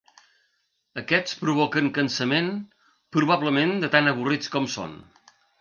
Aquests provoquen cansament, probablement de tan avorrits com són.